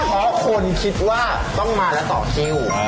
เพราะคนคิดว่าต้องมาแล้วต่อคิว